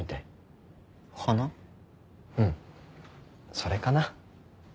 うん。それかな。